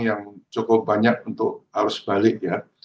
yang cukup banyak untuk arus balik ya